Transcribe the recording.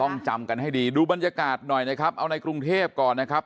ต้องจำกันให้ดีดูบรรยากาศหน่อยนะครับเอาในกรุงเทพก่อนนะครับ